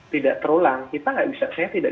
tidak terulang kita nggak bisa saya tidak